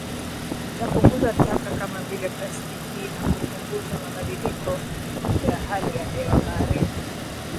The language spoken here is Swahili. Itapunguza taka kama vile plastiki na kupunguza mabadiliko ya hali ya hewa baharini